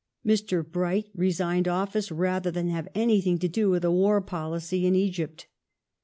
Mr. Bright resigned office rather than have anything to do with a war policy in Egypt.